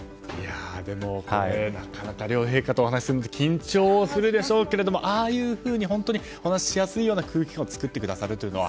なかなか両陛下とお話しするのは緊張するでしょうけれどああいうふうに話しやすいような空気を作ってくださるとは。